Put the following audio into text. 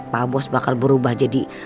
pak bos bakal berubah jadi